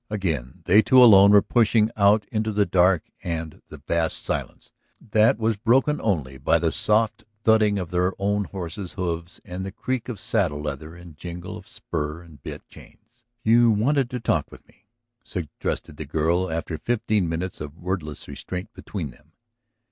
Again they two alone were pushing out into the dark and the vast silence that was broken only by the soft thudding of their own horses' hoofs and the creak of saddle leather and jingle of spur and bit chains. "You wanted to talk with me?" suggested the girl after fifteen minutes of wordless restraint between them.